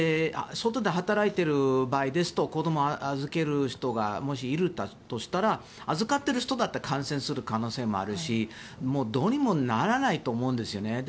外で働いている場合だと子どもを預ける人がもし、いたとしたら預かっている人だって感染する可能性もあるしもうどうにもならないと思うんですよね。